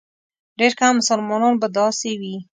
ډېر کم مسلمانان به داسې وي.